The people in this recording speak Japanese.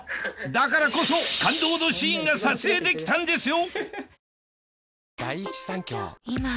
だからこそ感動のシーンが撮影できたんですよ